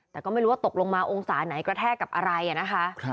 แต่ก็ไม่รู้ว่าตกลงมาองศาไหนกระแทกกับอะไรนะคะ